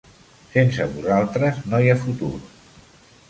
Sense vosaltres no hi ha futur.